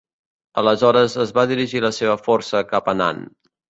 Aleshores en va dirigir la seva força cap a Nan.